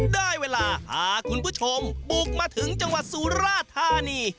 ได้เวลาพาคุณผู้ชมบุกมาถึงจังหวัดสุราธานี